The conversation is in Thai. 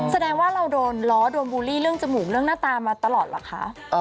แสดงว่าเราโดนล้อโดนบูลลี่เรื่องจมูกเรื่องหน้าตามาตลอดเหรอคะ